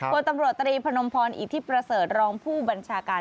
คนตำรวจตรีพนมพรอิทธิประเสริฐรองผู้บัญชาการ